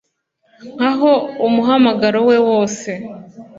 Nkaho umuhamagaro we wose